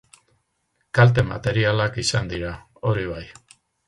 Kalte materialak izan dira, hori bai.